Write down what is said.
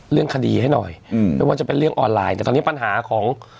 เรื่องคดีให้หน่อยอืมไม่ว่าจะเป็นเรื่องออนไลน์แต่ตอนนี้ปัญหาของ